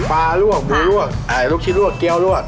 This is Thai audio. ปลารวกดูรวกลูกชิ้นรวกเกลียวรวก